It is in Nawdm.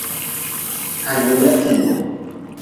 Ha jula tiibe.